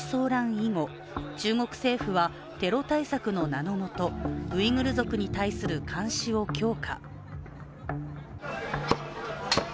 以後中国政府は、テロ対策の名のもとウイグル族に対する監視を強化。